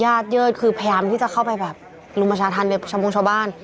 เยิดคือพยายามที่จะเข้าไปแบบรุมประชาธรรมในชาวมงชาวบ้าน